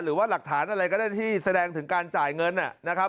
หรือว่าหลักฐานอะไรก็ได้ที่แสดงถึงการจ่ายเงินนะครับ